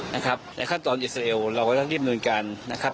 ในขั้นตอนอิสรีเอลเราก็รักรีบโนยนการนะครับ